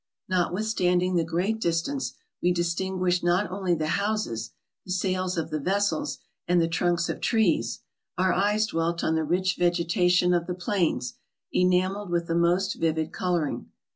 Notwithstanding the great distance, we distinguished not only the houses, the sails of the vessels, and the trunks of trees, our eyes dwelt on the rich vegetation of the plains, enameled with the most vivid coloring.